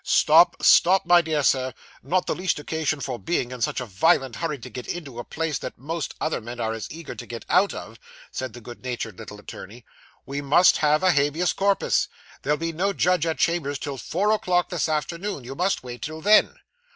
'Stop, stop, my dear Sir; not the least occasion for being in such a violent hurry to get into a place that most other men are as eager to get out of,' said the good natured little attorney. 'We must have a habeas corpus. There'll be no judge at chambers till four o'clock this afternoon. You must wait till then.